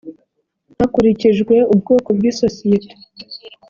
hakurikijwe ubwoko bw ‘isosiyete